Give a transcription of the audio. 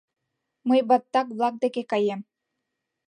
Мый баттак-влак деке каем!